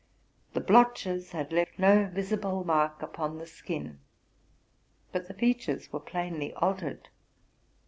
The blotches had left no visible mark upon the skin, but the features were plainly altered.